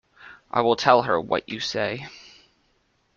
I will tell her what you say.